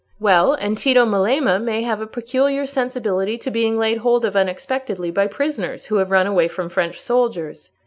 "Well, and Tito Melema may have a peculiar sensibility to being laid hold of unexpectedly by prisoners who have run away from French soldiers.